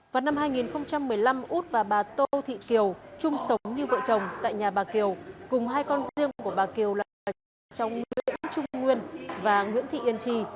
vào năm hai nghìn một mươi năm út và bà tô thị kiều chung sống như vợ chồng tại nhà bà kiều cùng hai con riêng của bà kiều là bà con trong nguyễn trung nguyên và nguyễn thị yên trì